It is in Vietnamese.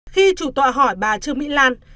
khi chủ tòa hỏi bà trương mỹ lan